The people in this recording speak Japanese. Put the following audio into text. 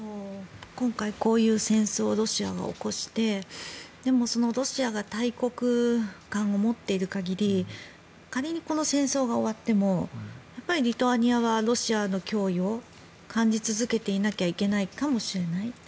今回、こういう戦争をロシアが起こしてでもロシアが大国感を持っている限り仮にこの戦争が終わってもやっぱり、リトアニアはロシアの脅威を感じ続けていなきゃいけないかもしれない。